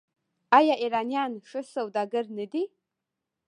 آیا ایرانیان ښه سوداګر نه دي؟